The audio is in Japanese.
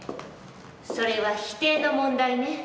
それは否定の問題ね。